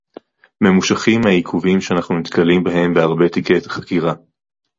ממושכים מהעיכובים שאנחנו נתקלים בהם בהרבה תיקי חקירה